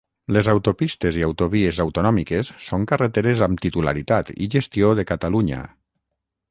Les autopistes i autovies autonòmiques són carreteres amb titularitat i gestió de Catalunya.